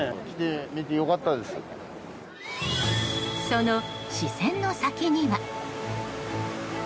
その視線の先には。